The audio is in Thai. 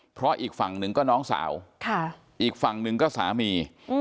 เพราะอีกฝั่งหนึ่งก็น้องสาวอีกฝั่งหนึ่งก็สามี